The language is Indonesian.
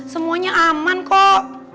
semuanya aman kok